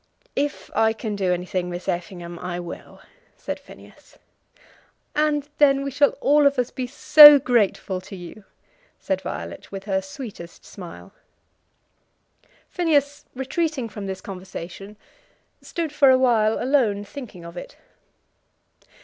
"If I can do anything, Miss Effingham, I will," said Phineas. "And then we shall all of us be so grateful to you," said Violet, with her sweetest smile. Phineas, retreating from this conversation, stood for a while alone, thinking of it.